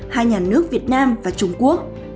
hai nhà nước việt nam và trung quốc